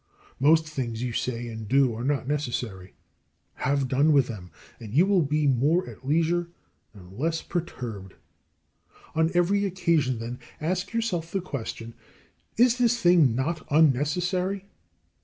Most things you say and do are not necessary. Have done with them, and you will be more at leisure and less perturbed. On every occasion, then, ask yourself the question, Is this thing not unnecessary?